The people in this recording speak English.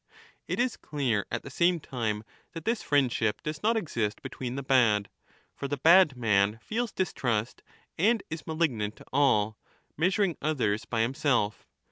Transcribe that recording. It is clear at the same time that this friendship does not exist between the bad, for the bad man feels distrust and is malignant to all, measuring others by himself.